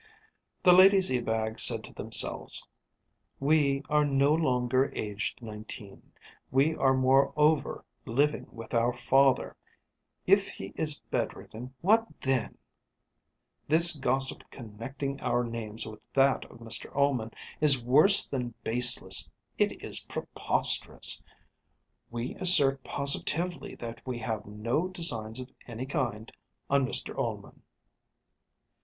The ladies Ebag said to themselves: "We are no longer aged nineteen. We are moreover living with our father. If he is bedridden, what then? This gossip connecting our names with that of Mr Ullman is worse than baseless; it is preposterous. We assert positively that we have no designs of any kind on Mr Ullman."